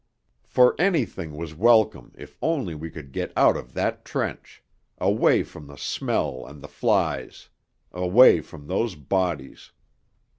For anything was welcome if only we could get out of that trench, away from the smell and the flies, away from those bodies....